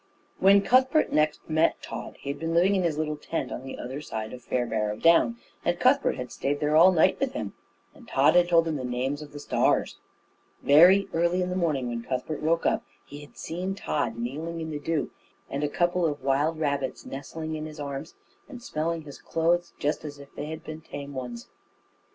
When Cuthbert next met Tod, he had been living in his little tent on the other side of Fairbarrow Down; and Cuthbert had stayed there all night with him, and Tod had told him the names of the stars. Very early in the morning, when Cuthbert woke up, he had seen Tod kneeling in the dew, and a couple of wild rabbits nestling in his arms and smelling his clothes, just as if they had been tame ones.